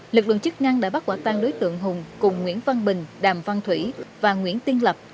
lực lượng chức năng đã bắt quả tang đối tượng hùng cùng nguyễn văn bình đàm văn thủy và nguyễn tiên lập